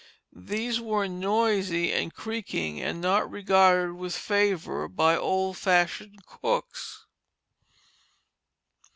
These were noisy and creaking and not regarded with favor by old fashioned cooks.